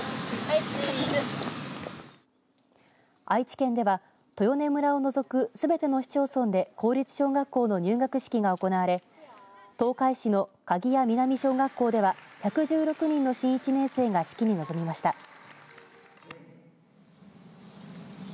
愛知県では豊根村を除くすべての市町村で公立小学校の入学式が行われ東海市の加木屋南小学校では１１６人の新１年生が式に臨みました。